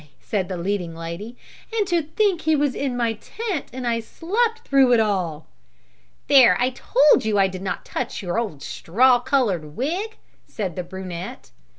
said the leading lady, "and to think he was in my tent and I slept through it all." "There, I told you I did not touch your old straw colored wig!" said the brunette.